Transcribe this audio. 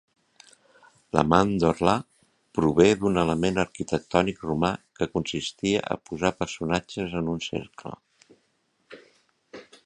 La màndorla prové d'un element arquitectònic romà que consistia a posar personatges en un cercle.